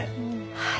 はい。